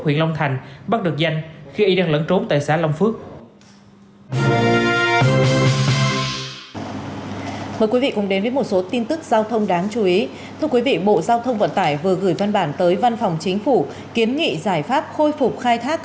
huyện long thành bắt được danh khi y đang lẫn trốn tại xã long phước